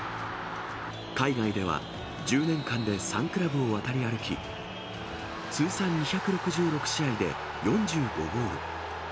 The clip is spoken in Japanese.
海外では１０年間で３クラブを渡り歩き、通算２６６試合で４５ゴール。